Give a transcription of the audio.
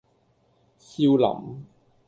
少林